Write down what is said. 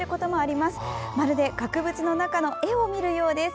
まるで額縁の中の絵を見るようです。